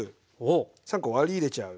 ３コ割り入れちゃう。